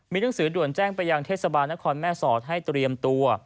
มีหนังสือด่วนแจ้งไปยังเทศบาลนครแม่สอดให้เตรียมตัว